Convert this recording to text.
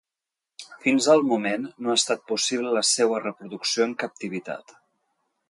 Fins al moment, no ha estat possible la seua reproducció en captivitat.